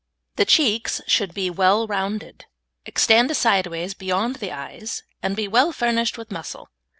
The cheeks should be well rounded, extend sideways beyond the eyes, and be well furnished with muscle.